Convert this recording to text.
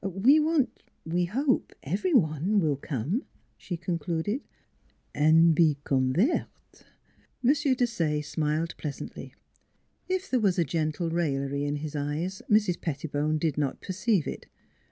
" We want we hope every one will come," she concluded. "An' be convert?" M. Desaye smiled pleasantly. If there was a gentle raillery in his eyes Mrs. Pettibone did not perceive it.